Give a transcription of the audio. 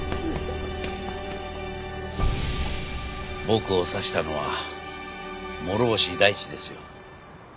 僕を刺したのは諸星大地ですよ。